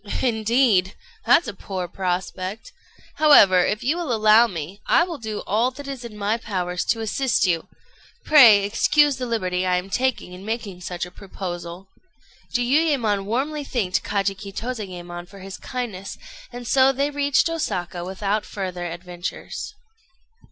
"Indeed, that's a poor prospect! However, if you will allow me, I will do all that is in my power to assist you. Pray excuse the liberty I am taking in making such a proposal." Jiuyémon warmly thanked Kajiki Tozayémon for his kindness; and so they reached Osaka without further adventures.